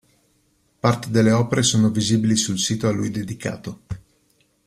Parte delle opere sono visibili sul sito a lui dedicato.